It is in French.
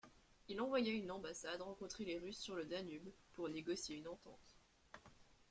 Il envoya une ambassade rencontrer les Rus’ sur le Danube pour négocier une entente.